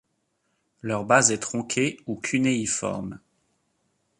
Leur base est tronquée ou cunéiforme.